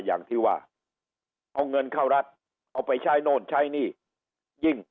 อย่างที่ว่าเอาเงินเข้ารัฐเอาไปใช้โน่นใช้หนี้ยิ่ง